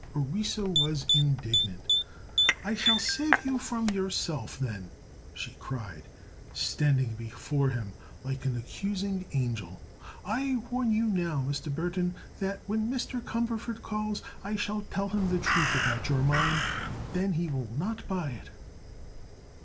Orissa was indignant. "I shall save you from yourself, then," she cried, standing before him like an accusing angel. "I warn you now, Mr. Burthon, that when Mr. Cumberford calls I shall tell him the truth about your mine, and then he will not buy it."